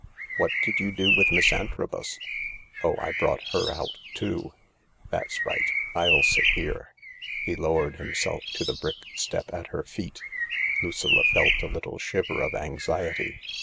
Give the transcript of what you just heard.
" What did you do with Miss Antrobus ?"" Oh, I brought her out too. That's right. Ill sit here." He lowered himself to the brick step at her feet. Lucilla felt a little shiver of anxiety.